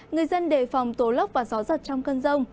người dân đề phòng tố lốc và gió giật trong cơn rông